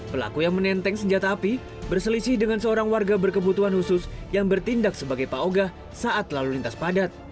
pelaku yang menenteng senjata api berselisih dengan seorang warga berkebutuhan khusus yang bertindak sebagai pak oga saat lalu lintas padat